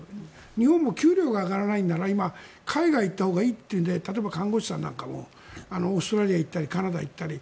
日本も給料が上がらないなら今、海外に行ったほうがいいというんで例えば看護師さんなんかもオーストラリアに行ったりカナダに行ったり。